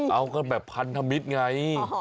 เอาก็แบบพันธมิตรไง